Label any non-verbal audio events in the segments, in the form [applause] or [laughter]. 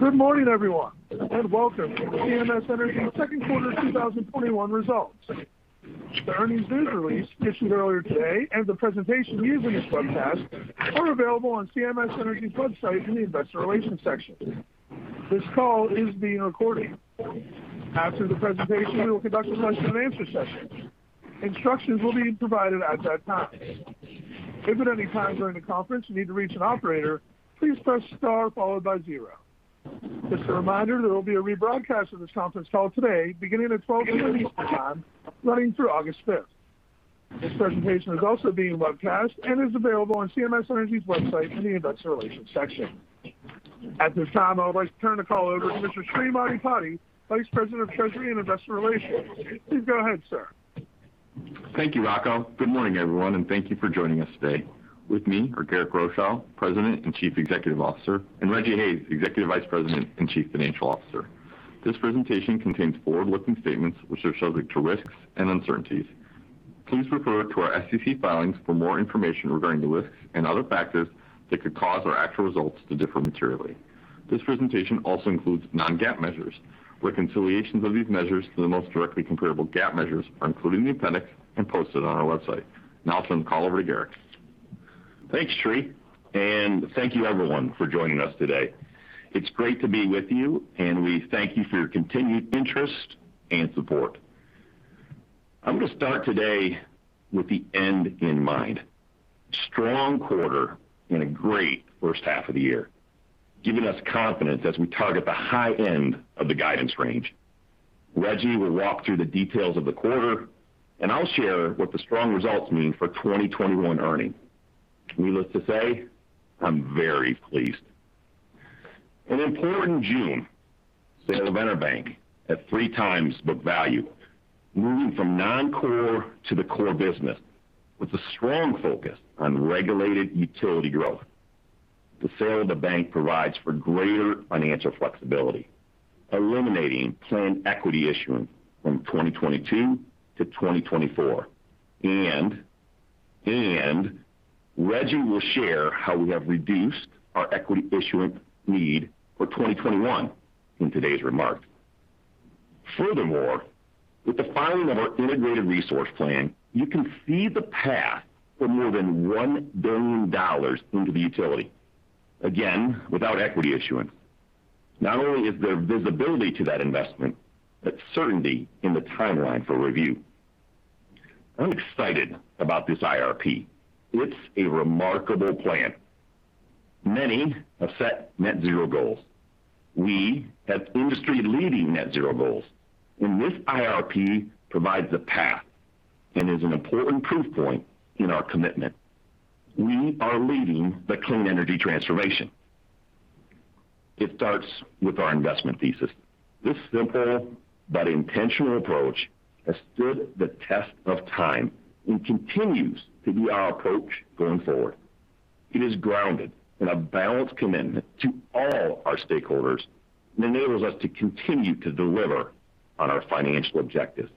Good morning, everyone, and welcome to CMS Energy Second Quarter 2021 Results. The earnings news release issued earlier today and the presentation viewed in this webcast are available on CMS Energy website in the investor relations section. This call is being recorded. After the presentation, we will conduct a question and answer session. Instructions will be provided at that time. If at any time during the conference you need to reach an operator, please press star followed by zero. Just a reminder, there will be a rebroadcast of this conference call today beginning at 12:00 P.M. Eastern Time, running through August 5th. This presentation is also being webcast and is available on CMS Energy's website in the Investor relations section. At this time, I would like to turn the call over to Mr. Sri Maddipati, Vice President of Treasury and Investor Relations. Please go ahead, sir. Thank you, Rocco. Good morning, everyone, thank you for joining us today. With me are Garrick Rochow, President and Chief Executive Officer, and Rejji Hayes, Executive Vice President and Chief Financial Officer. This presentation contains forward-looking statements which are subject to risks and uncertainties. Please refer to our SEC filings for more information regarding the risks and other factors that could cause our actual results to differ materially. This presentation also includes non-GAAP measures. Reconciliations of these measures to the most directly comparable GAAP measures are included in the appendix and posted on our website. Now I'll turn the call over to Garrick. Thanks, Sri. Thank you everyone for joining us today. It's great to be with you, and we thank you for your continued interest and support. I'm going to start today with the end in mind. Strong quarter and a great first half of the year, giving us confidence as we target the high end of the guidance range. Rejji will walk through the details of the quarter, and I'll share what the strong results mean for 2021 earnings. Needless to say, I'm very pleased. An important June, sale of EnerBank at three times book value, moving from non-core to the core business with a strong focus on regulated utility growth. The sale of the bank provides for greater financial flexibility, eliminating planned equity issuance from 2022-2024. Rejji will share how we have reduced our equity issuance need for 2021 in today's remarks. Furthermore, with the filing of our integrated resource plan, you can see the path for more than $1 billion into the utility, again, without equity issuance. Not only is there visibility to that investment, but certainty in the timeline for review. I'm excited about this IRP. It's a remarkable plan. Many have set net zero goals. We have industry-leading net zero goals, and this IRP provides the path and is an important proof point in our commitment. We are leading the clean energy transformation. It starts with our investment thesis. This simple but intentional approach has stood the test of time and continues to be our approach going forward. It is grounded in a balanced commitment to all our stakeholders and enables us to continue to deliver on our financial objectives.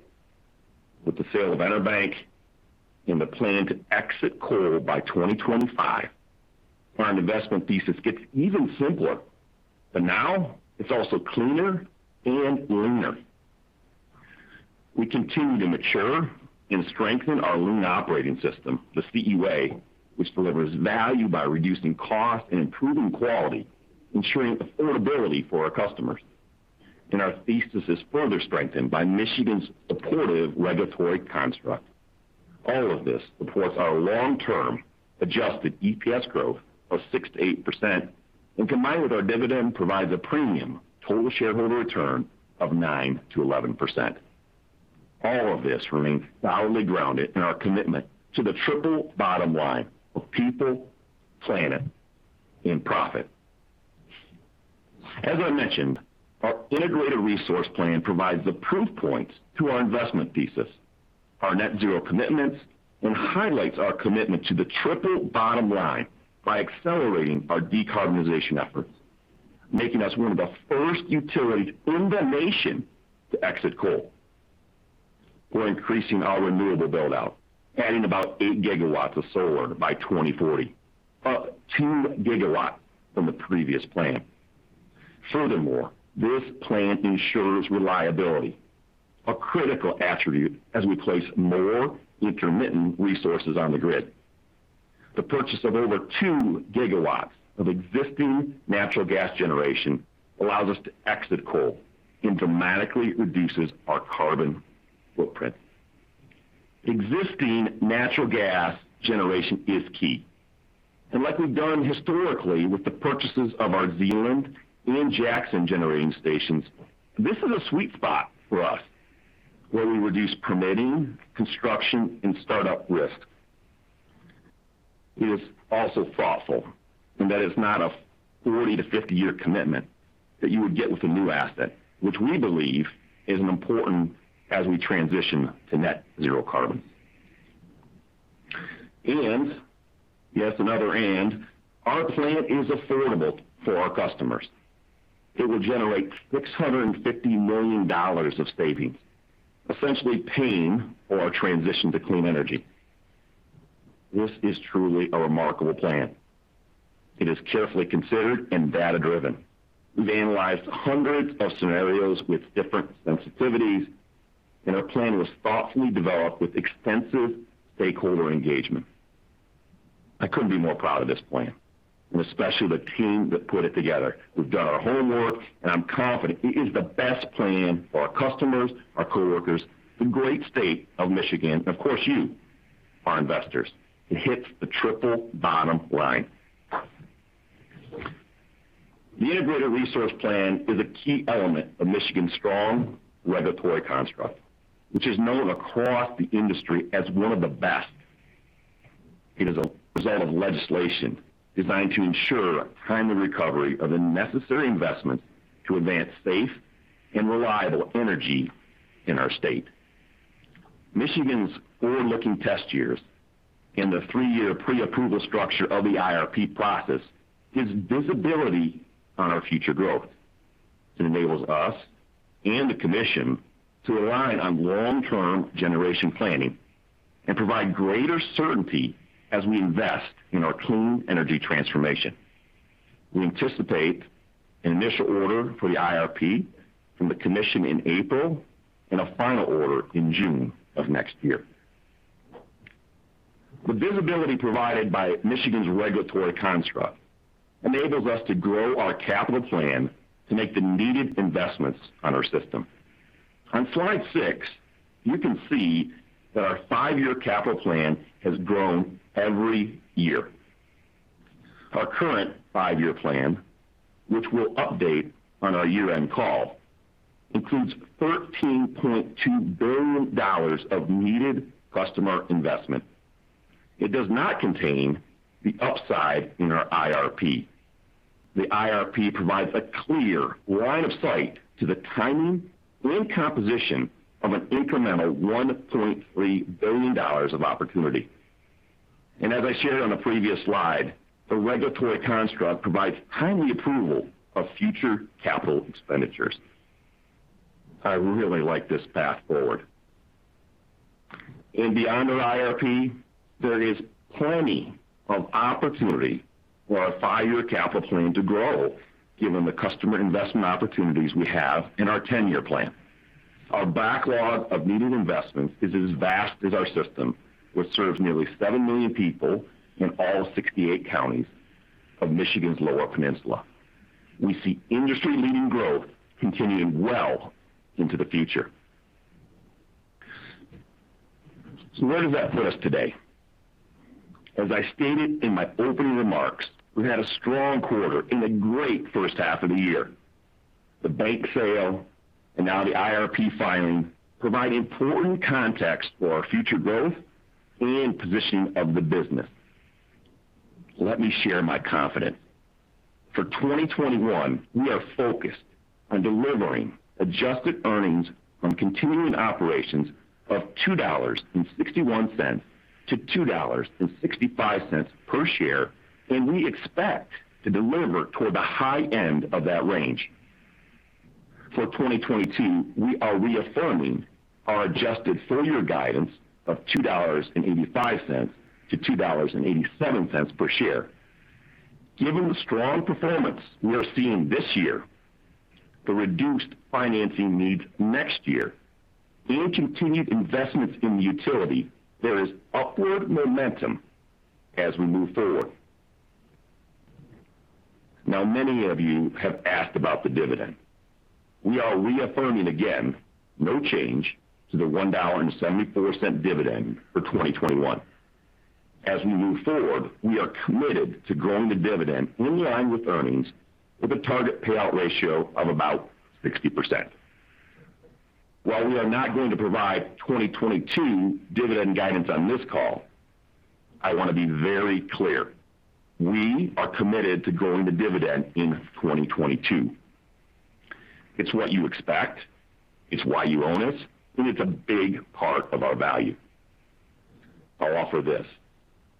With the sale of EnerBank and the plan to exit coal by 2025, our investment thesis gets even simpler, but now it's also cleaner and leaner. We continue to mature and strengthen our lean operating system, the CE Way, which delivers value by reducing cost and improving quality, ensuring affordability for our customers. Our thesis is further strengthened by Michigan's supportive regulatory construct. All of this supports our long-term adjusted EPS growth of 6%-8% and combined with our dividend, provides a premium total shareholder return of 9%-11%. All of this remains solidly grounded in our commitment to the triple bottom line of people, planet, and profit. As I mentioned, our integrated resource plan provides the proof points to our investment thesis, our net zero commitments, and highlights our commitment to the triple bottom line by accelerating our decarbonization efforts, making us one of the first utilities in the nation to exit coal. We're increasing our renewable build-out, adding about 8 GW of solar by 2040, up 2 GW from the previous plan. This plan ensures reliability, a critical attribute as we place more intermittent resources on the grid. The purchase of over 2 GW of existing natural gas generation allows us to exit coal and dramatically reduces our carbon footprint. Existing natural gas generation is key, like we've done historically with the purchases of our Zeeland and Jackson generating stations, this is a sweet spot for us where we reduce permitting, construction, and startup risk. It is also thoughtful in that it's not a 40-50-year commitment that you would get with a new asset, which we believe is important as we transition to net zero. Yes, another and, our plan is affordable for our customers. It will generate $650 million of savings, essentially paying for our transition to clean energy. This is truly a remarkable plan. It is carefully considered and data-driven. We've analyzed hundreds of scenarios with different sensitivities, and our plan was thoughtfully developed with extensive stakeholder engagement. I couldn't be more proud of this plan, and especially the team that put it together. We've done our homework, and I'm confident it is the best plan for our customers, our coworkers, the great state of Michigan, and of course, you, our investors. It hits the triple bottom line. The integrated resource plan is a key element of Michigan's strong regulatory construct, which is known across the industry as one of the best. It is a result of legislation designed to ensure timely recovery of the necessary investments to advance safe and reliable energy in our state. Michigan's forward-looking test years and the three-year pre-approval structure of the IRP process gives visibility on our future growth. It enables us and the commission to align on long-term generation planning and provide greater certainty as we invest in our clean energy transformation. We anticipate an initial order for the IRP from the commission in April and a final order in June of next year. The visibility provided by Michigan's regulatory construct enables us to grow our capital plan to make the needed investments on our system. On slide six, you can see that our five-year capital plan has grown every year. Our current five-year plan, which we'll update on our year-end call, includes $13.2 billion of needed customer investment. It does not contain the upside in our IRP. The IRP provides a clear line of sight to the timing and composition of an incremental $1.3 billion of opportunity. As I shared on the previous slide, the regulatory construct provides timely approval of future capital expenditures. I really like this path forward. Beyond our IRP, there is plenty of opportunity for our five-year capital plan to grow, given the customer investment opportunities we have in our 10-year plan. Our backlog of needed investments is as vast as our system, which serves nearly seven million people in all 68 counties of Michigan's Lower Peninsula. We see industry-leading growth continuing well into the future. Where does that put us today? As I stated in my opening remarks, we've had a strong quarter and a great first half of the year. The bank sale and now the IRP filing provide important context for our future growth and positioning of the business. Let me share my confidence. For 2021, we are focused on delivering adjusted earnings from continuing operations of $2.61-$2.65 per share, and we expect to deliver toward the high end of that range. For 2022, we are reaffirming our adjusted full-year guidance of $2.85-$2.87 per share. Given the strong performance we are seeing this year, the reduced financing needs next year, and continued investments in the utility, there is upward momentum as we move forward. Many of you have asked about the dividend. We are reaffirming, again, no change to the $1.74 dividend for 2021. As we move forward, we are committed to growing the dividend in line with earnings, with a target payout ratio of about 60%. While we are not going to provide 2022 dividend guidance on this call, I want to be very clear, we are committed to growing the dividend in 2022. It's what you expect, it's why you own us, and it's a big part of our value. I'll offer this.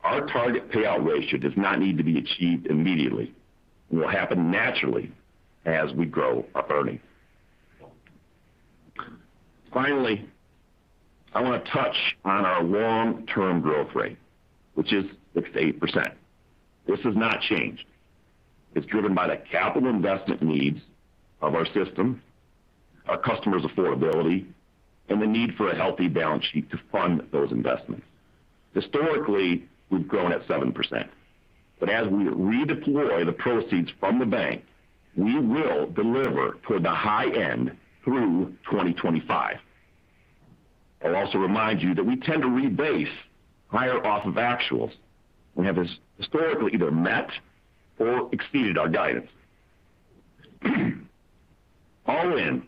Our target payout ratio does not need to be achieved immediately and will happen naturally as we grow our earnings. Finally, I want to touch on our long-term growth rate, which is 6%-8%. This has not changed. It's driven by the capital investment needs of our system, our customers' affordability, and the need for a healthy balance sheet to fund those investments. Historically, we've grown at 7%, but as we redeploy the proceeds from the bank, we will deliver toward the high end through 2025. I'll also remind you that we tend to rebase higher off of actuals. We have historically either met or exceeded our guidance. All in,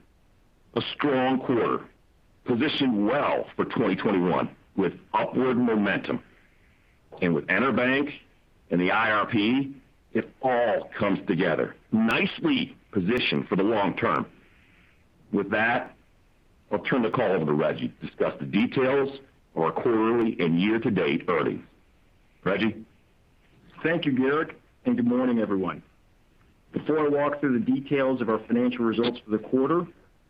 a strong quarter. Positioned well for 2021 with upward momentum. With EnerBank and the IRP, it all comes together. Nicely positioned for the long term. With that, I'll turn the call over to Rejji to discuss the details of our quarterly and year-to-date earnings. Rejji? Thank you, Garrick, good morning, everyone. Before I walk through the details of our financial results for the quarter,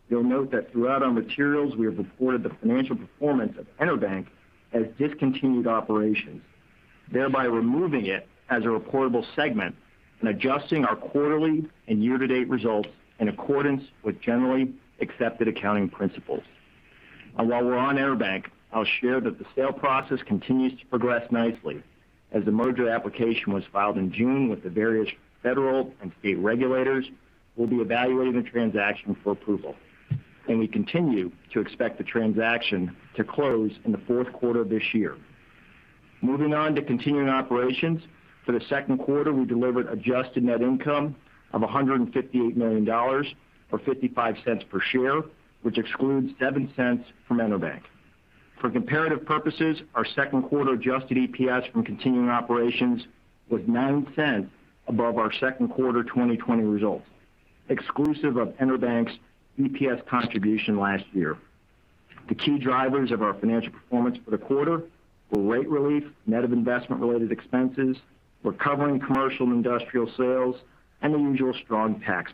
you'll note that throughout our materials, we have reported the financial performance of EnerBank as discontinued operations, thereby removing it as a reportable segment and adjusting our quarterly and year-to-date results in accordance with Generally Accepted Accounting Principles. While we're on EnerBank, I'll share that the sale process continues to progress nicely as the merger application was filed in June with the various federal and state regulators who will be evaluating the transaction for approval. We continue to expect the transaction to close in the fourth quarter of this year. Moving on to continuing operations. For the second quarter, we delivered adjusted net income of $158 million or $0.55 per share, which excludes $0.07 from EnerBank. For comparative purposes, our second quarter adjusted EPS from continuing operations was $0.09 above our second quarter 2020 results, exclusive of EnerBank's EPS contribution last year. The key drivers of our financial performance for the quarter were rate relief, net of investment-related expenses, recovering commercial and industrial sales, and the usual strong tax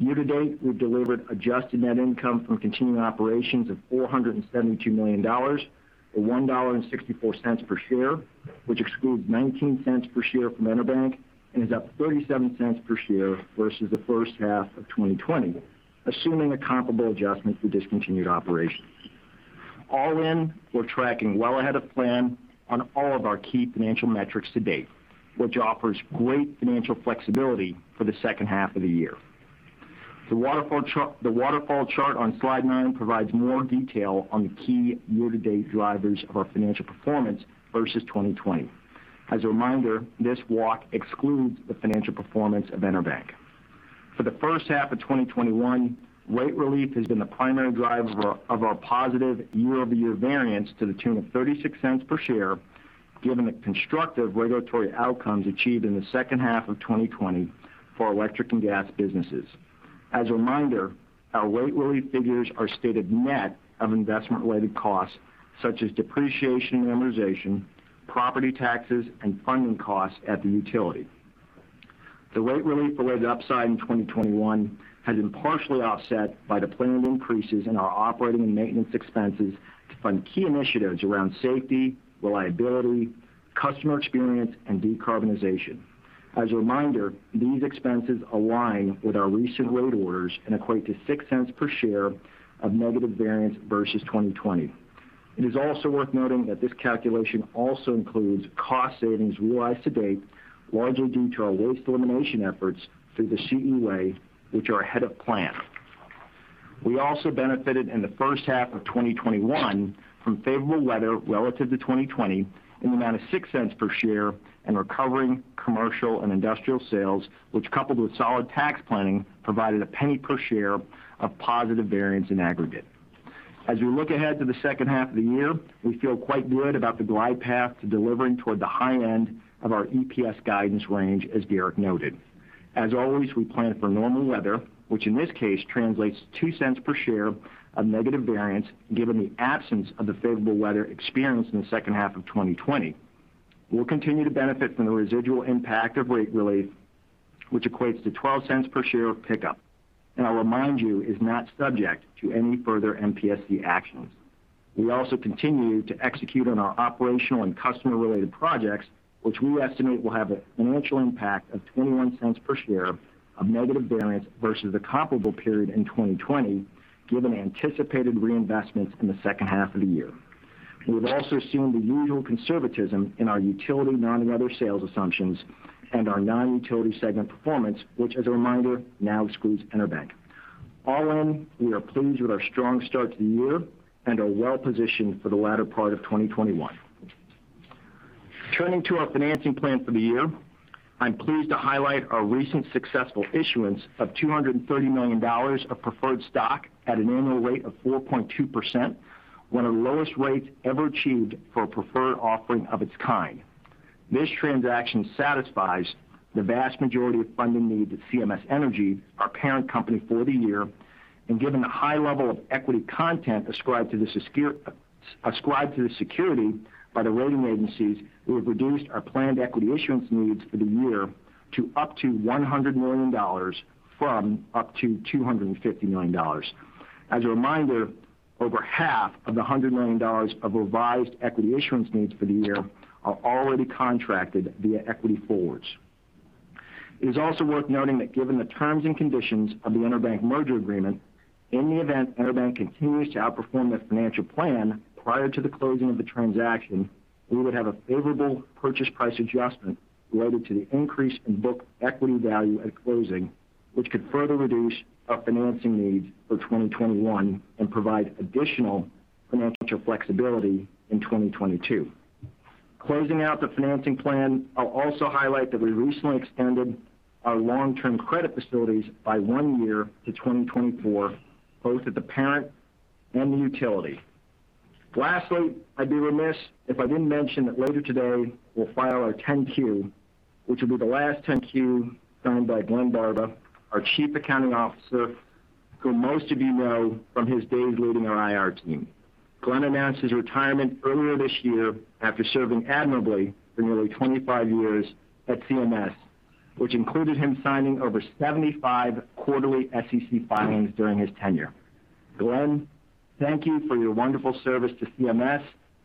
planning. Year to date, we've delivered adjusted net income from continuing operations of $472 million, or $1.64 per share, which excludes $0.19 per share from EnerBank and is up $0.37 per share versus the first half of 2020, assuming a comparable adjustment for discontinued operations. All in, we're tracking well ahead of plan on all of our key financial metrics to date, which offers great financial flexibility for the second half of the year. The waterfall chart on slide nine provides more detail on the key year to date drivers of our financial performance versus 2020. As a reminder, this walk excludes the financial performance of EnerBank. For the first half of 2021, rate relief has been the primary driver of our positive year-over-year variance to the tune of $0.36 per share, given the constructive regulatory outcomes achieved in the second half of 2020 for our electric and gas businesses. As a reminder, our rate relief figures are stated net of investment-related costs such as depreciation and amortization, property taxes, and funding costs at the utility. The rate relief-related upside in 2021 has been partially offset by the planned increases in our Operating and Maintenance expenses to fund key initiatives around safety, reliability, customer experience, and decarbonization. As a reminder, these expenses align with our recent rate orders and equate to $0.06 per share of negative variance versus 2020. It is also worth noting that this calculation also includes cost savings realized to date, largely due to our waste elimination efforts through the CE Way, which are ahead of plan. We also benefited in the first half of 2021 from favorable weather relative to 2020 in the amount of $0.06 per share in recovering commercial and industrial sales, which, coupled with solid tax planning, provided $0.01 per share of positive variance in aggregate. As we look ahead to the second half of the year, we feel quite good about the glide path to delivering toward the high end of our EPS guidance range, as Garrick noted. As always, we plan for normal weather, which in this case translates to $0.02 per share of negative variance, given the absence of the favorable weather experienced in the second half of 2020. We'll continue to benefit from the residual impact of rate relief, which equates to $0.12 per share of pickup, I'll remind you, is not subject to any further MPSC actions. We also continue to execute on our operational and customer-related projects, which we estimate will have a financial impact of $0.21 per share of negative variance versus the comparable period in 2020, given anticipated reinvestments in the second half of the year. We've also assumed the usual conservatism in our utility non-and other sales assumptions and our non-utility segment performance, which as a reminder, now excludes EnerBank. All in, we are pleased with our strong start to the year and are well-positioned for the latter part of 2021. Turning to our financing plan for the year. I'm pleased to highlight our recent successful issuance of $230 million of preferred stock at an annual rate of 4.2%, one of the lowest rates ever achieved for a preferred offering of its kind. This transaction satisfies the vast majority of funding needs at CMS Energy, our parent company for the year. Given the high level of equity content ascribed to the security by the rating agencies, we have reduced our planned equity issuance needs for the year to up to $100 million from up to $250 million. As a reminder, over half of the $100 million of revised equity issuance needs for the year are already contracted via equity forwards. It is also worth noting that given the terms and conditions of the EnerBank merger agreement, in the event EnerBank continues to outperform their financial plan prior to the closing of the transaction, we would have a favorable purchase price adjustment related to the increase in book equity value at closing, which could further reduce our financing needs for 2021 and provide additional financial flexibility in 2022. Closing out the financing plan, I'll also highlight that we recently extended our long-term credit facilities by one year to 2024, both at the parent and the utility. Lastly, I'd be remiss if I didn't mention that later today, we'll file our 10-Q, which will be the last 10-Q signed by Glenn Barba, our Chief Accounting Officer, who most of you know from his days leading our IR team. Glenn announced his retirement earlier this year after serving admirably for nearly 25 years at CMS, which included him signing over 75 quarterly SEC filings during his tenure. Glenn, thank you for your wonderful service to CMS.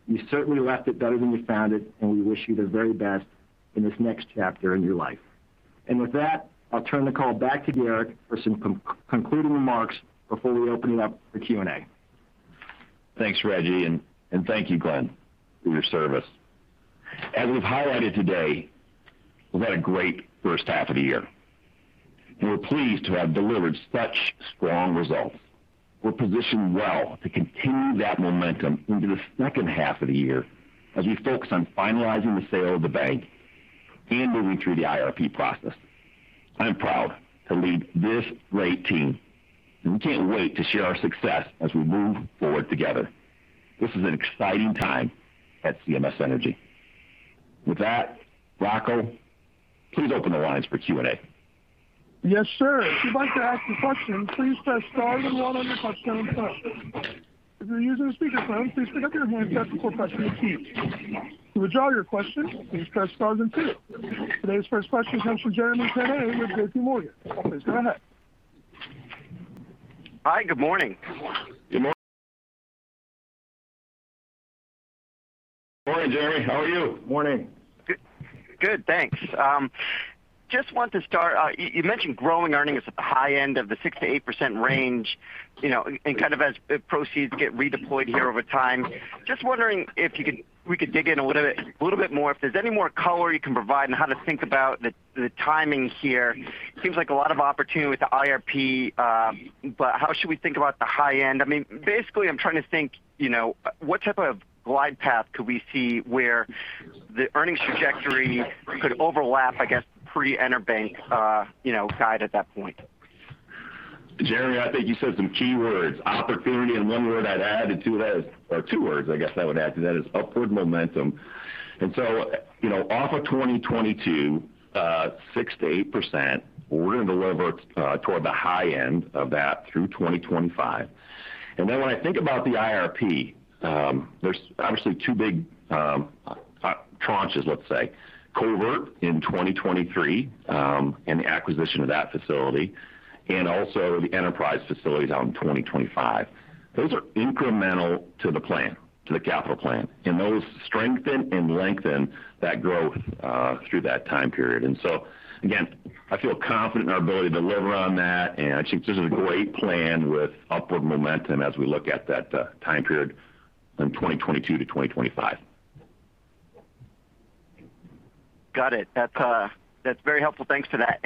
You certainly left it better than you found it, and we wish you the very best in this next chapter in your life. With that, I'll turn the call back to Garrick for some concluding remarks before we open it up for Q&A. Thanks, Rejji, and thank you, Glenn, for your service. As we've highlighted today, we've had a great first half of the year, and we're pleased to have delivered such strong results. We're positioned well to continue that momentum into the second half of the year as we focus on finalizing the sale of the bank and moving through the IRP process. I am proud to lead this great team, and we can't wait to share our success as we move forward together. This is an exciting time at CMS Energy. With that, Rocco, please open the lines for Q&A. Yes, sir. If you want to ask a question, please press star then one on your touchtone phone. If you're using a speakerphone, please connect your headset [inaudible] pressing the keys. To withdraw your question, please press star two. Today's first question comes from Jeremy Tonet with JPMorgan. Please go ahead. Hi, good morning. Good morning. Morning, Jeremy. How are you? Morning. Good. Thanks. Just want to start, you mentioned growing earnings at the high end of the 6%-8% range, and kind of as proceeds get redeployed here over time. Just wondering if we could dig in a little bit more, if there's any more color you can provide on how to think about the timing here. Seems like a lot of opportunity with the IRP. How should we think about the high end? Basically, I'm trying to think, what type of glide path could we see where the earnings trajectory could overlap, I guess, pre-EnerBank guide at that point? Jeremy, I think you said some key words: opportunity, and one word I'd add to that is, or two words, I guess, I would add to that, is upward momentum. Off of 2022, 6%-8%, we're going to deliver toward the high end of that through 2025. When I think about the IRP, there's obviously two big tranches, let's say. Covert in 2023, and the acquisition of that facility, and also the CMS Enterprises facilities out in 2025. Those are incremental to the plan, to the capital plan, and those strengthen and lengthen that growth through that time period. Again, I feel confident in our ability to deliver on that, and I think this is a great plan with upward momentum as we look at that time period from 2022-2025. Got it. That's very helpful. Thanks for that.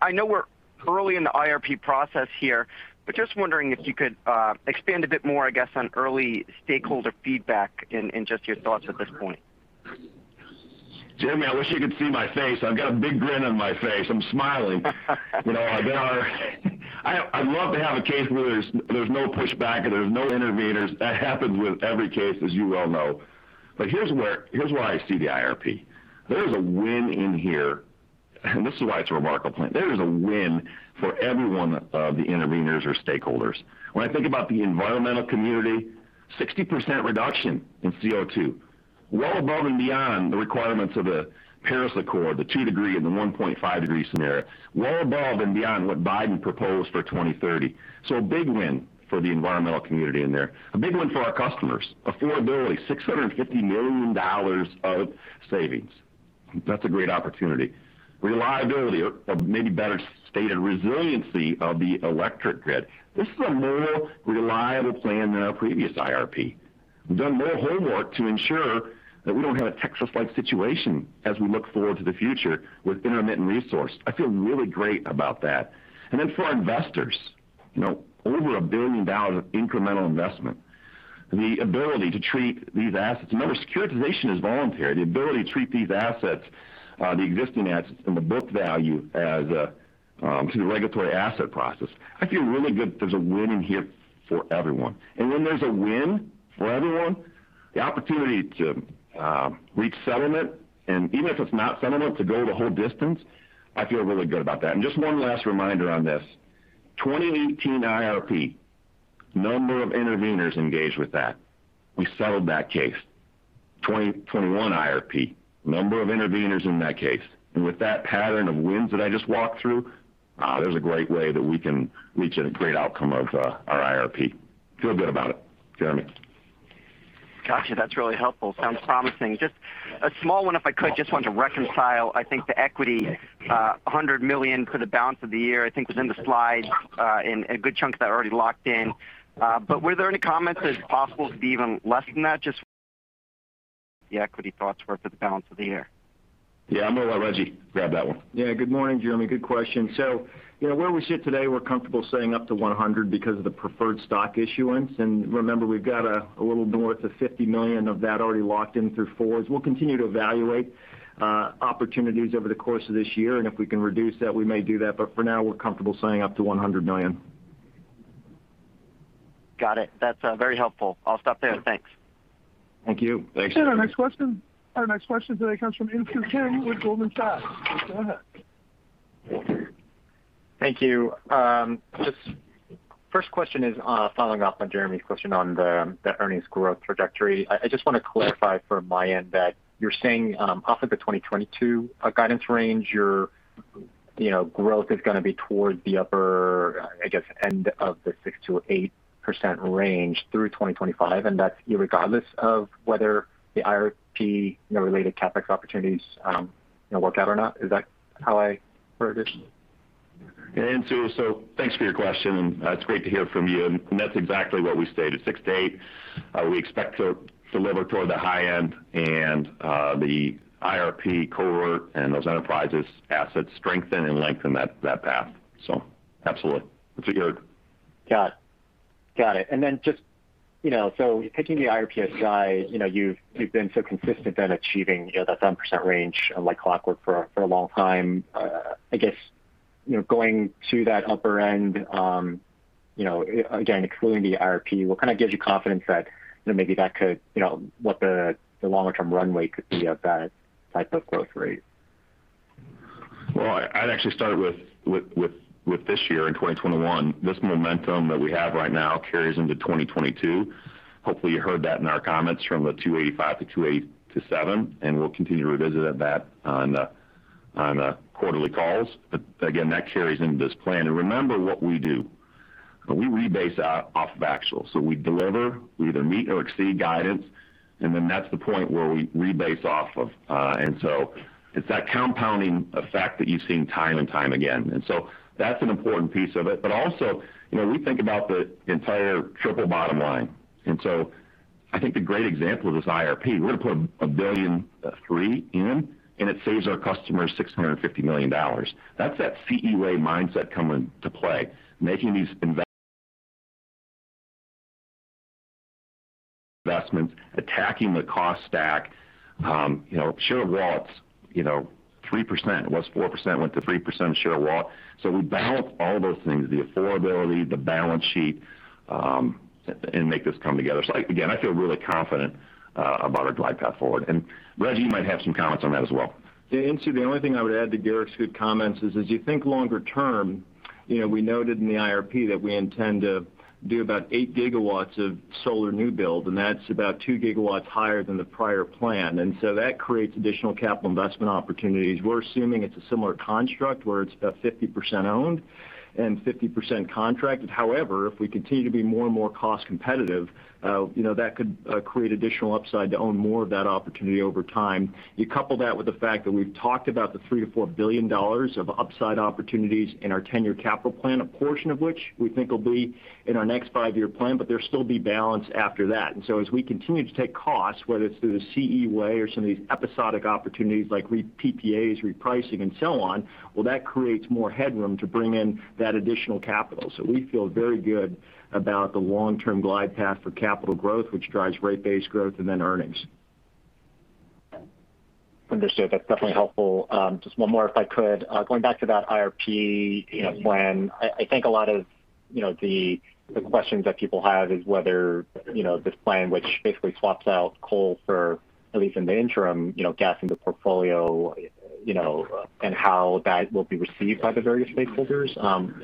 I know we're early in the IRP process here, but just wondering if you could expand a bit more, I guess, on early stakeholder feedback and just your thoughts at this point. Jeremy, I wish you could see my face. I've got a big grin on my face. I'm smiling. I'd love to have a case where there's no pushback and there's no intervenors. That happens with every case, as you well know. Here's where I see the IRP. There is a win in here, and this is why it's a remarkable plan. There is a win for every one of the intervenors or stakeholders. When I think about the environmental community, 60% reduction in CO2, well above and beyond the requirements of the Paris Agreement, the 2 degree and the 1.5 degree scenario. Well above and beyond what Biden proposed for 2030. A big win for the environmental community in there. A big win for our customers. Affordability, $650 million of savings. That's a great opportunity. Reliability, or maybe better stated, resiliency of the electric grid. This is a more reliable plan than our previous IRP. We've done more homework to ensure that we don't have a Texas-like situation as we look forward to the future with intermittent resource. I feel really great about that. For our investors, over $1 billion of incremental investment. The ability to treat these assets. Remember, securitization is voluntary. The ability to treat these assets, the existing assets and the book value through the regulatory asset process. I feel really good, there's a win in here for everyone. When there's a win for everyone, the opportunity to reach settlement, and even if it's not settlement, to go the whole distance, I feel really good about that. Just one last reminder on this, 2018 IRP, number of intervenors engaged with that. We settled that case. 2021 IRP, number of intervenors in that case. With that pattern of wins that I just walked through, there's a great way that we can reach a great outcome of our IRP. Feel good about it, Jeremy. Got you. That's really helpful. Sounds promising. Just a small one if I could, just wanted to reconcile, I think the equity, $100 million for the balance of the year, I think was in the slides, and a good chunk of that already locked in. Were there any comments that it's possible to be even less than that just for the equity thoughts for the balance of the year? Yeah, I'm going to let Rejji grab that one. Yeah, good morning, Jeremy. Good question. Where we sit today, we're comfortable saying up to $100 million because of the preferred stock issuance, and remember, we've got a little north of $50 million of that already locked in through forwards. We'll continue to evaluate opportunities over the course of this year, and if we can reduce that, we may do that. For now, we're comfortable saying up to $100 million. Got it. That's very helpful. I'll stop there. Thanks. Thank you. Thanks. Our next question today comes from Insoo Kim with Goldman Sachs. Go ahead. Thank you. First question is following up on Jeremy's question on the earnings growth trajectory. I just want to clarify from my end that you're saying off of the 2022 guidance range, your growth is going to be towards the upper, I guess, end of the 6%-8% range through 2025. That's irregardless of whether the IRP-related CapEx opportunities work out or not. Is that how I heard it? Insoo, thanks for your question, it's great to hear from you. That's exactly what we stated, 6%-8%. We expect to deliver toward the high end and the IRP Covert and those CMS Enterprises assets strengthen and lengthen that path, absolutely. Got it. Just so taking the IRP aside, you've been so consistent in achieving that 10% range like clockwork for a long time. I guess, going to that upper end, again, excluding the IRP, what kind of gives you confidence that maybe what the longer-term runway could be of that type of growth rate? Well, I'd actually start with this year in 2021. This momentum that we have right now carries into 2022. Hopefully, you heard that in our comments from the $2.85-$2.87. We'll continue to revisit that on the quarterly calls. Again, that carries into this plan. Remember what we do. We rebase off of actual, so we deliver, we either meet or exceed guidance. Then that's the point where we rebase off of. It's that compounding effect that you've seen time and time again. That's an important piece of it. Also, we think about the entire triple bottom line. I think the great example of this IRP, we're going to put $1.3 billion in. It saves our customers $650 million. That's that CE Way mindset coming to play, making these investments, attacking the cost stack, share of wallets, 3%. It was 4%, went to 3% share of wallet. We balance all those things, the affordability, the balance sheet, and make this come together. Rej, you might have some comments on that as well. Insoo, the only thing I would add to Garrick's good comments is as you think longer term, we noted in the IRP that we intend to do about 8 GW of solar new build. That's about 2 GW higher than the prior plan. That creates additional capital investment opportunities. We're assuming it's a similar construct where it's about 50% owned and 50% contracted. However, if we continue to be more and more cost competitive, that could create additional upside to own more of that opportunity over time. You couple that with the fact that we've talked about the $3 billion-$4 billion of upside opportunities in our 10-year capital plan, a portion of which we think will be in our next five-year plan, there'll still be balance after that. As we continue to take costs, whether it's through the CE Way or some of these episodic opportunities like PPAs, repricing, and so on, well, that creates more headroom to bring in that additional capital. We feel very good about the long-term glide path for capital growth, which drives rate base growth and then earnings. Understood. That's definitely helpful. Just one more if I could. Going back to that IRP plan, I think a lot of the questions that people have is whether this plan, which basically swaps out coal for, at least in the interim, gas in the portfolio, and how that will be received by the various stakeholders.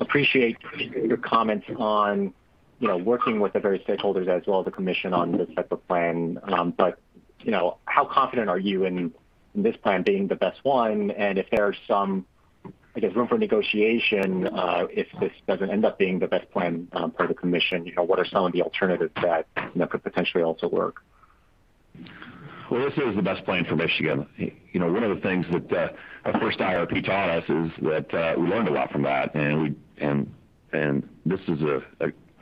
Appreciate your comments on working with the various stakeholders as well as the commission on this type of plan. How confident are you in this plan being the best one? If there's some, I guess, room for negotiation if this doesn't end up being the best plan per the commission, what are some of the alternatives that could potentially also work? Well, this is the best plan for Michigan. One of the things that our first IRP taught us is that we learned a lot from that, and this is,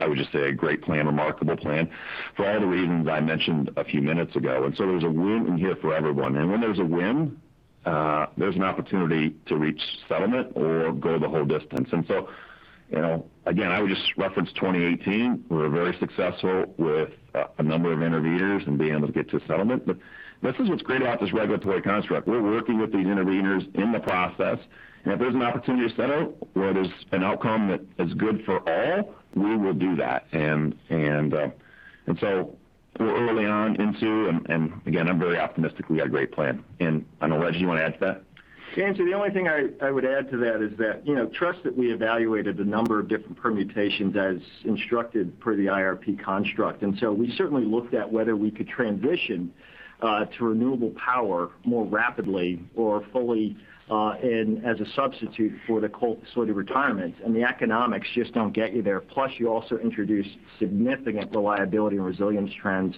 I would just say, a great plan, remarkable plan for all the reasons I mentioned a few minutes ago. There's a win in here for everyone. When there's a win, there's an opportunity to reach settlement or go the whole distance. Again, I would just reference 2018. We were very successful with a number of intervenors and being able to get to a settlement. This is what's great about this regulatory construct. We're working with these intervenors in the process, and if there's an opportunity to settle where there's an outcome that is good for all, we will do that. We're early on, Insoo, and again, I'm very optimistic we got a great plan. I don't know, Rej, you want to add to that? Insoo, the only thing I would add to that is that trust that we evaluated a number of different permutations as instructed per the IRP construct. We certainly looked at whether we could transition to renewable power more rapidly or fully as a substitute for the coal facility retirement, and the economics just don't get you there. You also introduce significant reliability and resilience trends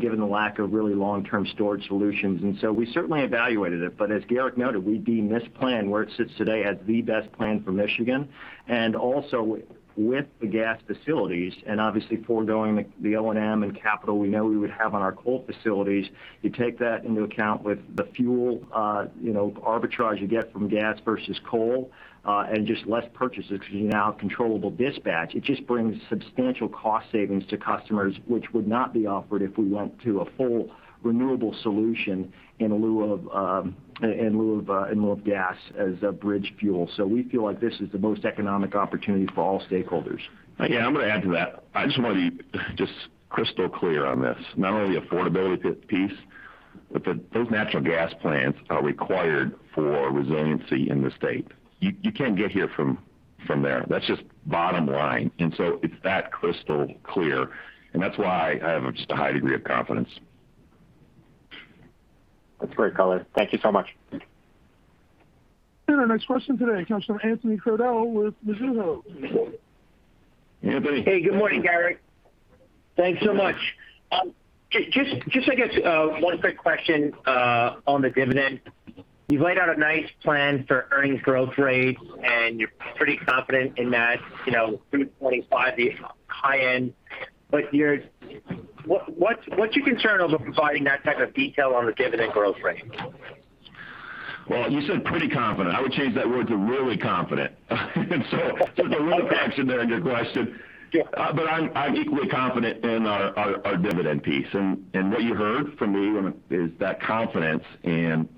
given the lack of really long-term storage solutions. We certainly evaluated it. As Garrick noted, we deem this plan where it sits today as the best plan for Michigan. Also with the gas facilities and obviously foregoing the O&M and capital we know we would have on our coal facilities, you take that into account with the fuel arbitrage you get from gas versus coal and just less purchases because you now have controllable dispatch. It just brings substantial cost savings to customers, which would not be offered if we went to a full renewable solution in lieu of gas as a bridge fuel. We feel like this is the most economic opportunity for all stakeholders. Yeah, I'm going to add to that. I just want to be just crystal clear on this. Not only the affordability piece. Those natural gas plants are required for resiliency in the state. You can't get here from there. That's just bottom line. It's that crystal clear, and that's why I have just a high degree of confidence. That's great color. Thank you so much. Our next question today comes from Anthony Crowdell with Mizuho. Yeah, Anthony. Hey, good morning, Garrick. Thanks so much. Just I guess one quick question on the dividend. You've laid out a nice plan for earnings growth rates, and you're pretty confident in that through 2025, the high end. What's your concern over providing that type of detail on the dividend growth rate? Well, you said pretty confident. I would change that word to really confident. Just a little correction there on your question. I'm equally confident in our dividend piece. What you heard from me is that confidence in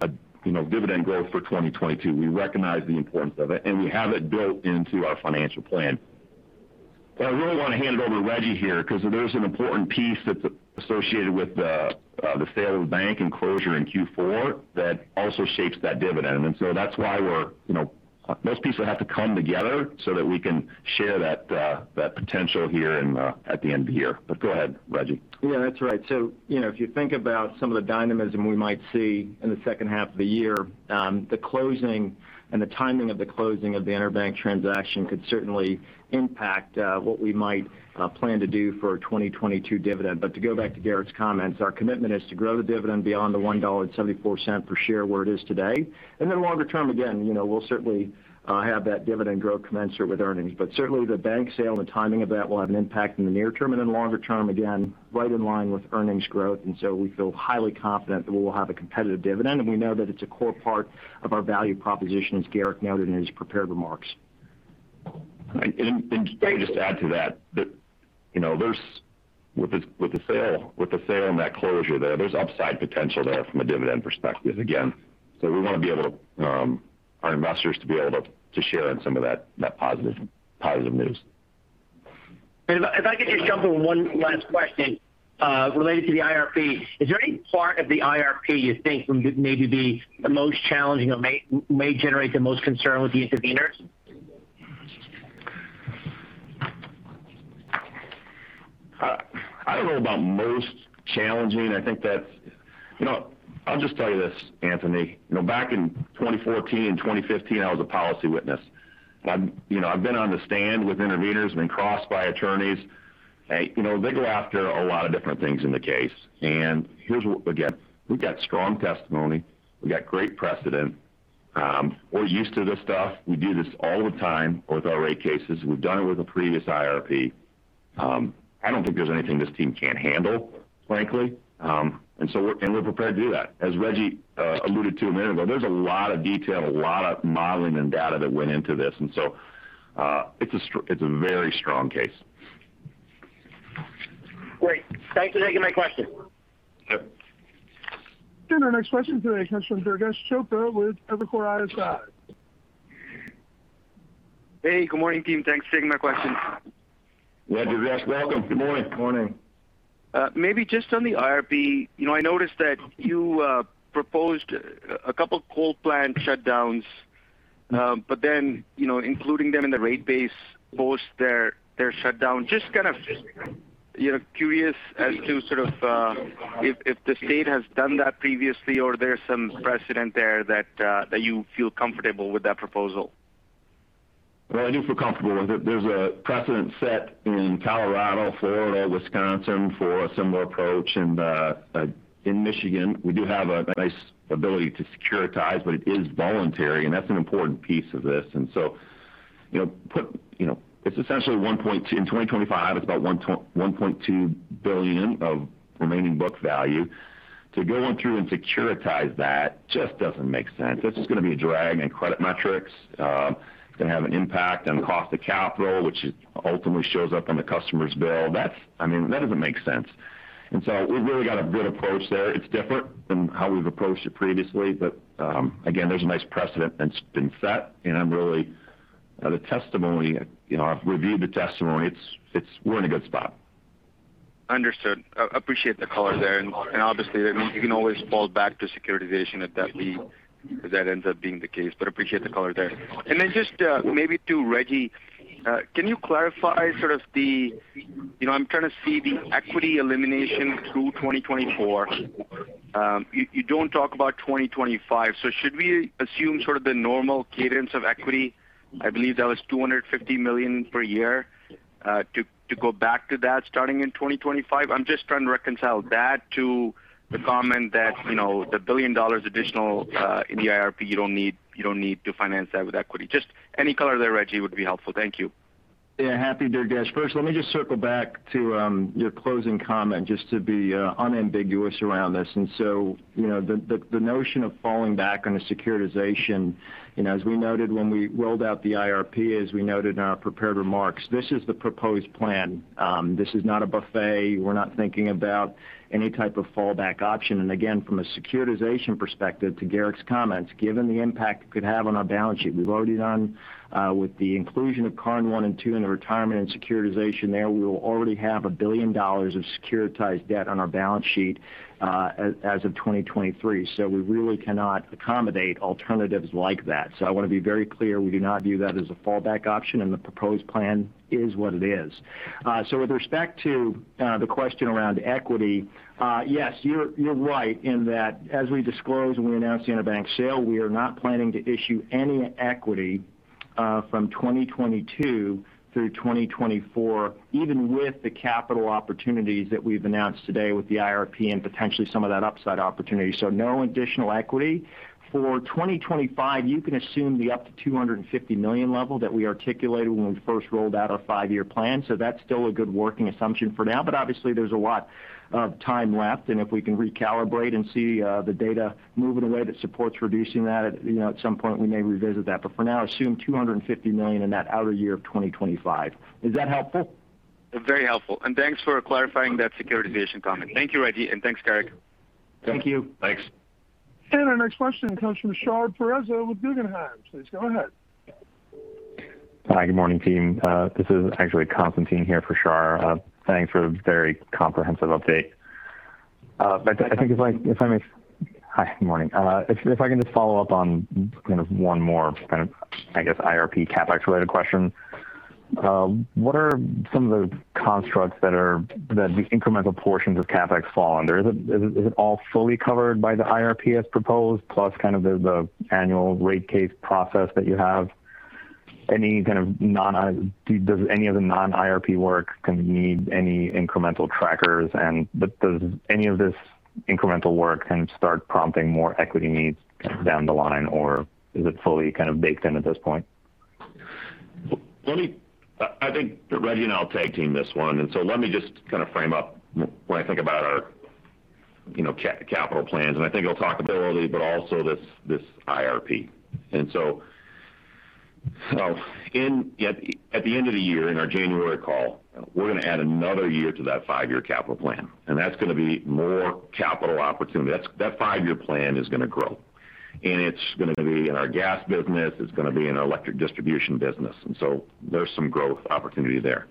dividend growth for 2022. We recognize the importance of it, and we have it built into our financial plan. I really want to hand it over to Rejji here because there's an important piece that's associated with the sale of the bank and closure in Q4 that also shapes that dividend. That's why those pieces have to come together so that we can share that potential here at the end of the year. Go ahead, Rejji. Yeah, that's right. If you think about some of the dynamism we might see in the second half of the year, the closing and the timing of the closing of the EnerBank transaction could certainly impact what we might plan to do for a 2022 dividend. To go back to Garrick's comments, our commitment is to grow the dividend beyond the $1.74 per share where it is today. Longer term, again, we'll certainly have that dividend growth commensurate with earnings. Certainly the bank sale and the timing of that will have an impact in the near term and then longer term, again, right in line with earnings growth. We feel highly confident that we will have a competitive dividend, and we know that it's a core part of our value proposition, as Garrick noted in his prepared remarks. If I could just add to that, with the sale and that closure there's upside potential there from a dividend perspective, again. We want our investors to be able to share in some of that positive news. If I could just jump in one last question related to the IRP. Is there any part of the IRP you think would maybe be the most challenging or may generate the most concern with the interveners? I don't know about most challenging. I'll just tell you this, Anthony. Back in 2014 and 2015, I was a policy witness. I've been on the stand with interveners, been crossed by attorneys. They go after a lot of different things in the case. Again, we've got strong testimony. We've got great precedent. We're used to this stuff. We do this all the time with our rate cases. We've done it with a previous IRP. I don't think there's anything this team can't handle, frankly. We're prepared to do that. As Rejji alluded to a minute ago, there's a lot of detail, a lot of modeling and data that went into this. It's a very strong case. Great. Thanks for taking my question. Yep. Our next question today comes from Durgesh Chopra with Evercore ISI. Hey, good morning, team. Thanks for taking my question. Hi, Durgesh. Welcome. Good morning. Morning. Maybe just on the IRP. I noticed that you proposed a couple coal plant shutdowns. Including them in the rate base post their shutdown. Just kind of curious as to sort of if the state has done that previously or there's some precedent there that you feel comfortable with that proposal. Well, I do feel comfortable. There's a precedent set in Colorado, Florida, Wisconsin for a similar approach. In Michigan, we do have a nice ability to securitize, but it is voluntary, and that's an important piece of this. In 2025, it's about $1.2 billion of remaining book value. To go in through and securitize that just doesn't make sense. That's just going to be a drag in credit metrics. It's going to have an impact on cost of capital, which ultimately shows up on the customer's bill. That doesn't make sense. We've really got a good approach there. It's different than how we've approached it previously. Again, there's a nice precedent that's been set. The testimony, I've reviewed the testimony. We're in a good spot. Understood. I appreciate the color there. Obviously, you can always fall back to securitization if that ends up being the case. Appreciate the color there. Then just maybe to Rejji, can you clarify sort of I'm trying to see the equity elimination through 2024. You don't talk about 2025, should we assume sort of the normal cadence of equity? I believe that was $250 million per year to go back to that starting in 2025? I'm just trying to reconcile that to the comment that the $1 billion additional in the IRP, you don't need to finance that with equity. Just any color there, Rejji, would be helpful. Thank you. Yeah, happy to, Durgesh. First, let me just circle back to your closing comment, just to be unambiguous around this. The notion of falling back on a securitization, as we noted when we rolled out the IRP, as we noted in our prepared remarks, this is the proposed plan. This is not a buffet. We're not thinking about any type of fallback option. Again, from a securitization perspective, to Garrick's comments, given the impact it could have on our balance sheet, we've already done with the inclusion of Karn one and two and the retirement and securitization there, we will already have $1 billion of securitized debt on our balance sheet as of 2023. We really cannot accommodate alternatives like that. I want to be very clear, we do not view that as a fallback option and the proposed plan is what it is. With respect to the question around equity, yes, you're right in that as we disclosed when we announced the EnerBank sale, we are not planning to issue any equity from 2022 through 2024, even with the capital opportunities that we've announced today with the IRP and potentially some of that upside opportunity. No additional equity. For 2025, you can assume the up to $250 million level that we articulated when we first rolled out our five-year plan. That's still a good working assumption for now. Obviously, there's a lot of time left, and if we can recalibrate and see the data moving in a way that supports reducing that, at some point, we may revisit that. For now, assume $250 million in that outer year of 2025. Is that helpful? Very helpful. Thanks for clarifying that securitization comment. Thank you, Rejji, and thanks, Garrick. Thank you. Thanks. Our next question comes from Shar Pourreza with Guggenheim. Please go ahead. Hi, good morning, team. This is actually Constantine here for Shar. Thanks for the very comprehensive update. Hi, good morning. If I can just follow up on one more, I guess, IRP CapEx-related question. What are some of the constructs that the incremental portions of CapEx fall under? Is it all fully covered by the IRP as proposed, plus kind of the annual rate case process that you have? Does any of the non-IRP work need any incremental trackers? Does any of this incremental work start prompting more equity needs down the line, or is it fully baked in at this point? I think Rejji and I will tag team this one. Let me just kind of frame up when I think about our capital plans, and I think it'll talk ability, but also this IRP. At the end of the year, in our January call, we're going to add another year to that five-year capital plan, and that's going to be more capital opportunity. That five-year plan is going to grow, and it's going to be in our gas business, it's going to be in our electric distribution business. There's some growth opportunity there.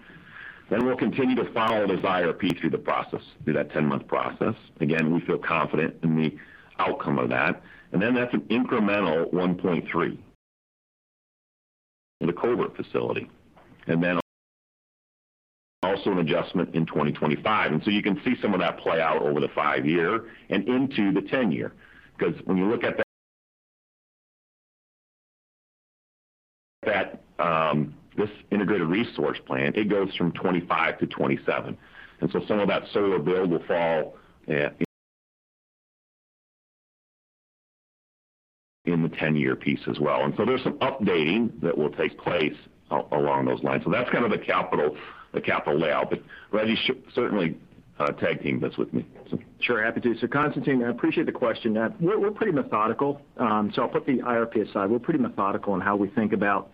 We'll continue to follow this IRP through the process, through that 10-month process. Again, we feel confident in the outcome of that. That's an incremental $1.3 in the Covert facility. Also an adjustment in 2025. You can see some of that play out over the 5-year and into the 10-year. When you look at this integrated resource plan, it goes from 2025-2027. Some of that solar build will fall in the 10-year piece as well. There's some updating that will take place along those lines. That's kind of the capital layout. Rejji should certainly tag team this with me. Sure, happy to. Constantine, I appreciate the question. We're pretty methodical, so I'll put the IRP aside. We're pretty methodical in how we think about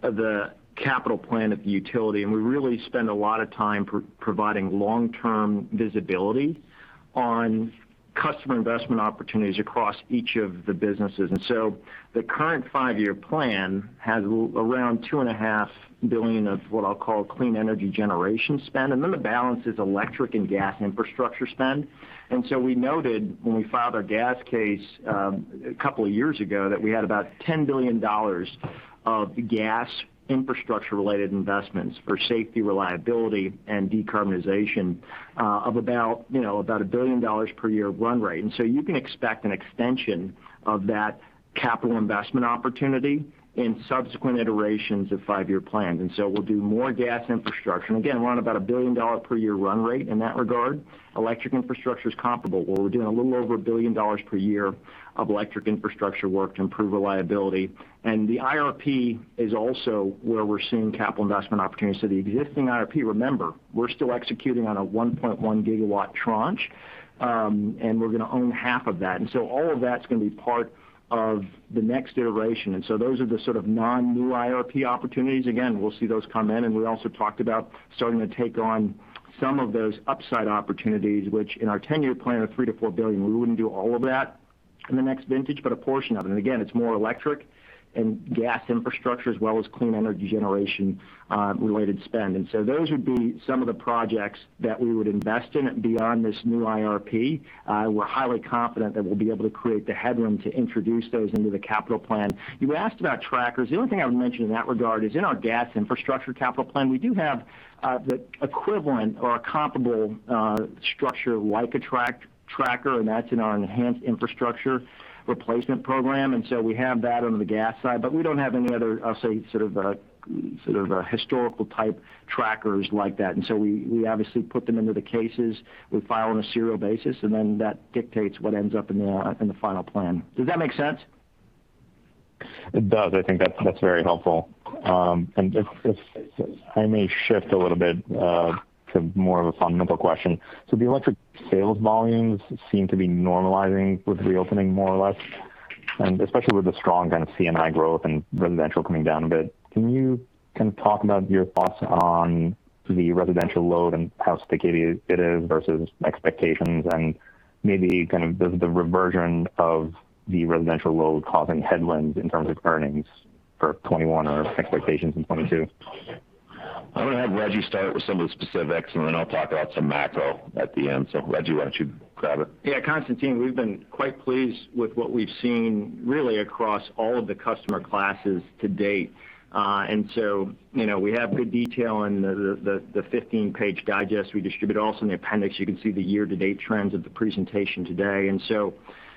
the capital plan of the utility, and we really spend a lot of time providing long-term visibility on customer investment opportunities across each of the businesses. The current five-year plan has around $2.5 billion of what I'll call clean energy generation spend, and then the balance is electric and gas infrastructure spend. We noted when we filed our gas case a couple of years ago that we had about $10 billion of gas infrastructure-related investments for safety, reliability, and decarbonization of about a $1 billion per year run rate. You can expect an extension of that capital investment opportunity in subsequent iterations of five-year plans. We'll do more gas infrastructure, and again, run about a billion-dollar per year run rate in that regard. Electric infrastructure is comparable, where we're doing a little over $1 billion per year of electric infrastructure work to improve reliability. The IRP is also where we're seeing capital investment opportunities. The existing IRP, remember, we're still executing on a 1.1 GW tranche, and we're going to own half of that. All of that's going to be part of the next iteration. Those are the sort of non-new IRP opportunities. Again, we'll see those come in, and we also talked about starting to take on some of those upside opportunities, which in our 10-year plan are $3 billion-$4 billion. We wouldn't do all of that in the next vintage, but a portion of it. Again, it's more electric and gas infrastructure, as well as clean energy generation-related spend. Those would be some of the projects that we would invest in beyond this new IRP. We're highly confident that we'll be able to create the headroom to introduce those into the capital plan. You asked about trackers. The only thing I would mention in that regard is in our gas infrastructure capital plan, we do have the equivalent or a comparable structure like a tracker, and that's in our Enhanced Infrastructure Replacement Program. We have that on the gas side, but we don't have any other, I'll say, sort of historical type trackers like that. We obviously put them into the cases we file on a serial basis, and then that dictates what ends up in the final plan. Does that make sense? It does. I think that's very helpful. If I may shift a little bit to more of a fundamental question. The electric sales volumes seem to be normalizing with reopening more or less, and especially with the strong kind of C&I growth and residential coming down a bit. Can you kind of talk about your thoughts on the residential load and how sticky it is versus expectations and maybe kind of the reversion of the residential load causing headwinds in terms of earnings for 2021 or expectations in 2022? I'm going to have Rejji start with some of the specifics, and then I'll talk about some macro at the end. Rejji, why don't you grab it? Yeah, Constantine, we've been quite pleased with what we've seen really across all of the customer classes to date. We have good detail in the 15-page digest we distribute. Also, in the appendix, you can see the year-to-date trends of the presentation today.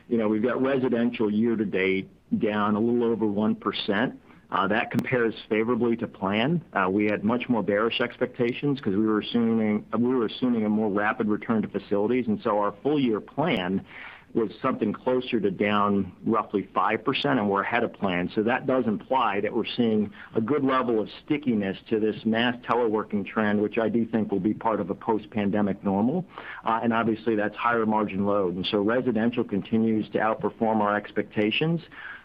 We've got residential year-to-date down a little over 1%. That compares favorably to plan. We had much more bearish expectations because we were assuming a more rapid return to facilities. Our full year plan was something closer to down roughly 5%, and we're ahead of plan. That does imply that we're seeing a good level of stickiness to this mass teleworking trend, which I do think will be part of a post-pandemic normal. Obviously that's higher margin load. Residential continues to outperform our expectations.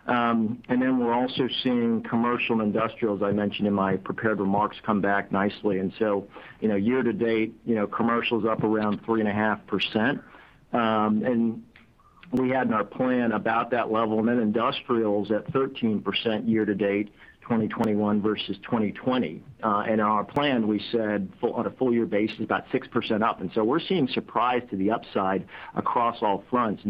Then we're also seeing commercial and industrial, as I mentioned in my prepared remarks, come back nicely. Year to date, commercial is up around 3.5%. We had in our plan about that level. Then industrial is at 13% year to date 2021 versus 2020. In our plan, we said on a full year basis, about 6% up. We're seeing surprise to the upside across all fronts.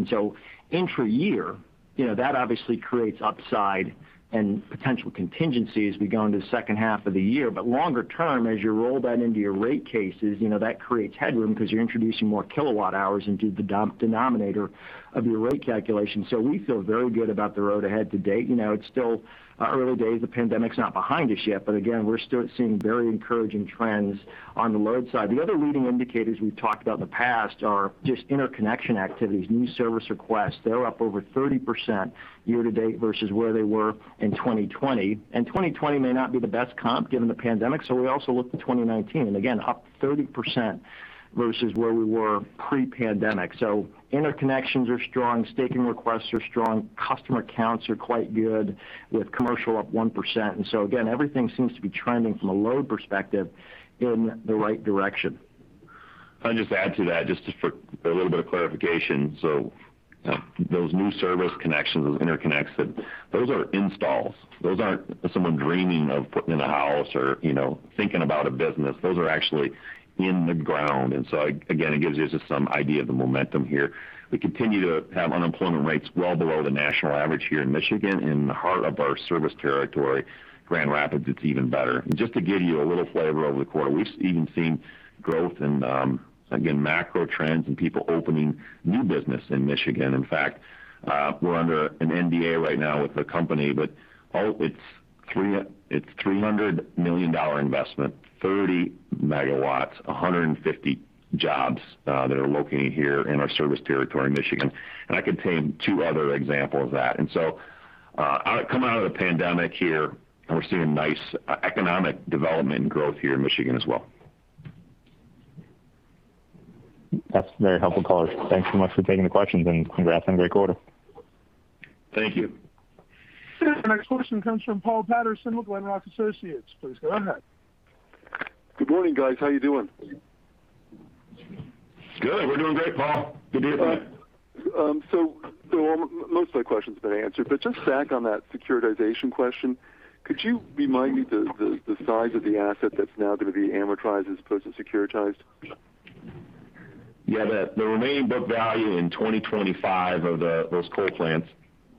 Intra-year, that obviously creates upside and potential contingency as we go into the second half of the year. Longer term, as you roll that into your rate cases, that creates headroom because you're introducing more kilowatt hours into the denominator of your rate calculation. We feel very good about the road ahead to date. It's still early days. The pandemic's not behind us yet. Again, we're still seeing very encouraging trends on the load side. The other leading indicators we've talked about in the past are just interconnection activities, new service requests. They're up over 30% year to date versus where they were in 2020. 2020 may not be the best comp given the pandemic. We also looked at 2019. Again, up 30% versus where we were pre-pandemic. Interconnections are strong, staking requests are strong, customer counts are quite good with commercial up 1%. Again, everything seems to be trending from a load perspective in the right direction. If I can just add to that, just for a little bit of clarification. Those new service connections, those interconnects, those are installs. Those aren't someone dreaming of putting in a house or thinking about a business. Those are actually in the ground. Again, it gives you just some idea of the momentum here. We continue to have unemployment rates well below the national average here in Michigan. In the heart of our service territory, Grand Rapids, it's even better. Just to give you a little flavor over the quarter, we've even seen growth in, again, macro trends and people opening new business in Michigan. In fact, we're under an NDA right now with a company, but it's a $300 million investment, 30 MW, 150 jobs that are locating here in our service territory, Michigan. I could name two other examples of that. Coming out of the pandemic here, we're seeing nice economic development and growth here in Michigan as well. That's very helpful, colors. Thanks so much for taking the questions and congrats on a great quarter. Thank you. Our next question comes from Paul Patterson with Glenrock Associates. Please go ahead. Good morning, guys. How you doing? Good. We're doing great, Paul. Good to be with you. Most of my question's been answered, but just back on that securitization question, could you remind me the size of the asset that's now going to be amortized as opposed to securitized? Yeah. The remaining book value in 2025 of those coal plants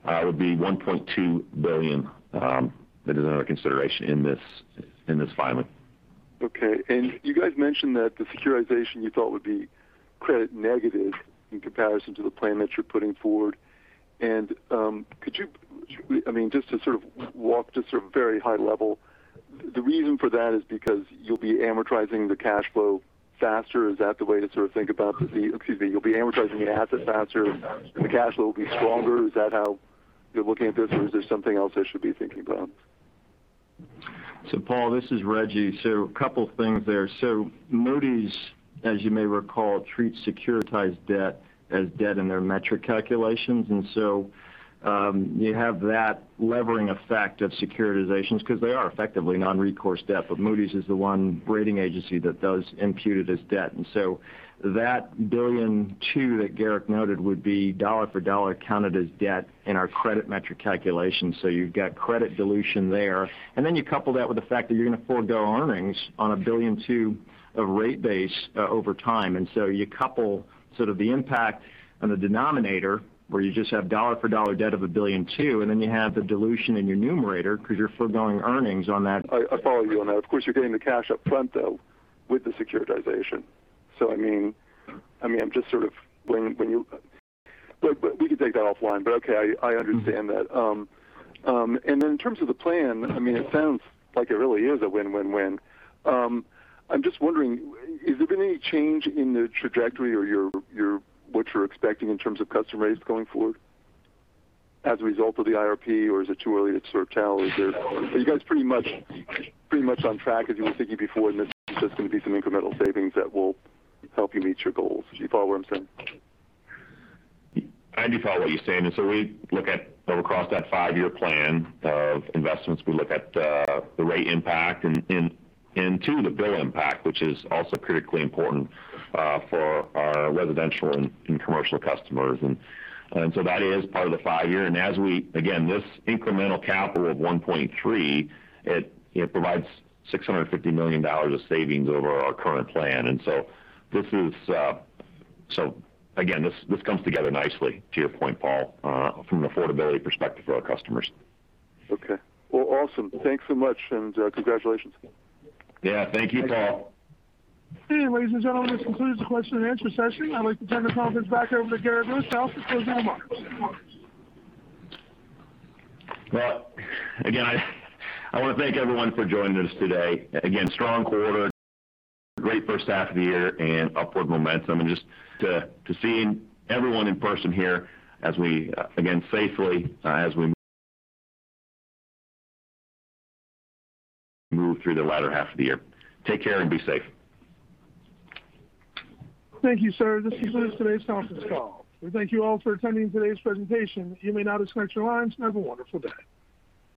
would be $1.2 billion. That is under consideration in this filing. Okay. You guys mentioned that the securitization you thought would be credit negative in comparison to the plan that you're putting forward. Could you, just to sort of walk very high level, the reason for that is because you'll be amortizing the cash flow faster? Is that the way to sort of think about the Excuse me. You'll be amortizing the asset faster and the cash flow will be stronger. Is that how you're looking at this? Is there something else I should be thinking about? Paul, this is Rejji. A couple things there. Moody's, as you may recall, treats securitized debt as debt in their metric calculations. You have that levering effect of securitizations because they are effectively non-recourse debt. Moody's is the one rating agency that does impute it as debt. That $1.2 billion that Garrick noted would be dollar for dollar counted as debt in our credit metric calculation. You've got credit dilution there, and then you couple that with the fact that you're going to forgo earnings on a $1.2 billion of rate base over time. You couple sort of the impact on the denominator, where you just have dollar for dollar debt of a $1.2 billion, and then you have the dilution in your numerator because you're forgoing earnings on that. I follow you on that. Of course, you're getting the cash up front, though, with the securitization. We can take that offline, but okay, I understand that. In terms of the plan, it sounds like it really is a win-win-win. I'm just wondering, has there been any change in the trajectory or what you're expecting in terms of customer rates going forward as a result of the IRP, or is it too early to tell? Are you guys pretty much on track as you were thinking before, and it's just going to be some incremental savings that will help you meet your goals? Do you follow what I'm saying? I do follow what you're saying. We look at across that five-year plan of investments, we look at the rate impact and to the bill impact, which is also critically important for our residential and commercial customers. That is part of the five-year. As we, again, this incremental capital of $1.3, it provides $650 million of savings over our current plan. Again, this comes together nicely to your point, Paul, from an affordability perspective for our customers. Okay. Well, awesome. Thanks so much, and congratulations. Yeah. Thank you, Paul. Ladies and gentlemen, this concludes the question and answer session. I'd like to turn the conference back over to Garrick Rochow for closing remarks. Well, again, I want to thank everyone for joining us today. Strong quarter, great first half of the year and upward momentum, and just seeing everyone in person here as we, again, safely, as we move through the latter half of the year. Take care and be safe. Thank you, sir. This concludes today's conference call. We thank you all for attending today's presentation. You may now disconnect your lines. Have a wonderful day.